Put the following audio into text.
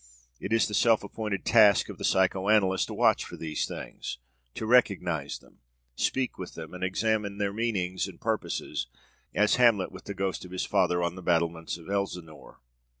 It is the self appointed task of the psycho analyst to watch for these things, to recognize them, speak with them, and examine into their meanings and purposes, as Hamlet with the ghost of his father on the battlements of Elsinore.